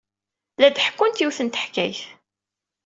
La d-ḥekkunt yiwet n teḥkayt.